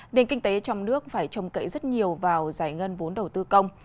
nền kinh tế trong nước phải trông cậy rất nhiều vào giải ngân vốn đầu tư công